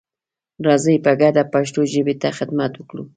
راځئ په ګډه پښتو ژبې ته خدمت وکړو.